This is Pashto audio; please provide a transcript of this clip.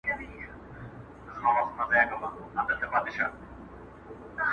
o نې غېيم، نې ښخوم٫